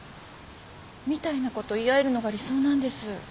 みたいなこと言い合えるのが理想なんです。